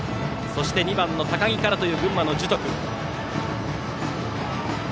そして２番の高木からという群馬の樹徳。